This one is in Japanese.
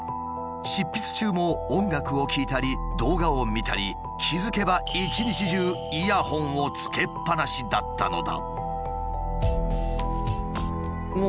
執筆中も音楽を聴いたり動画を見たり気付けば１日中イヤホンをつけっぱなしだったのだ。